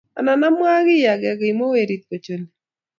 anan amwaa kei age kimwa werit kochole